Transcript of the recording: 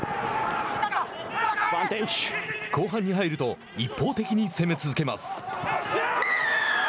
後半に入ると一方的に攻め続けます。